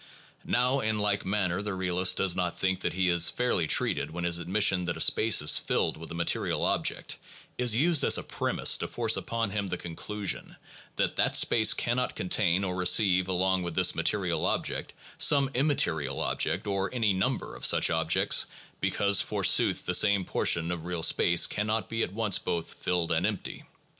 Now in like manner the realist does not think that he is fairly treated when his admission that a space is filled with a material object is used as a premise to force upon him the con clusion that that space cannot contain or receive along with this material object some immaterial object or any number of such objects, because forsooth 'the same portion of real space cannot be at once both filled and empty.'